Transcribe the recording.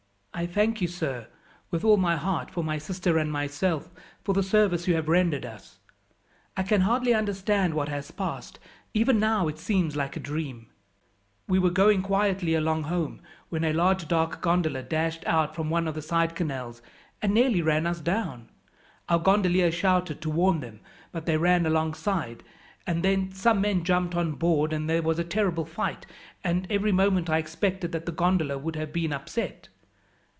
"I thank you, sir, with all my heart, for my sister and myself, for the service you have rendered us. I can hardly understand what has passed, even now it seems like a dream. We were going quietly along home, when a large dark gondola dashed out from one of the side canals, and nearly ran us down. Our gondolier shouted to warn them, but they ran alongside, and then some men jumped on board, and there was a terrible fight, and every moment I expected that the gondola would have been upset.